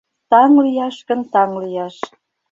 Таҥ лияш гын, таҥ лияш -